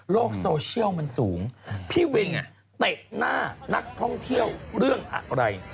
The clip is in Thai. โซเชียลมันสูงพี่วินเตะหน้านักท่องเที่ยวเรื่องอะไร